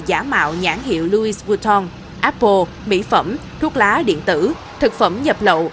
giả mạo nhãn hiệu louis vuitton apple mỹ phẩm thuốc lá điện tử thực phẩm nhập lậu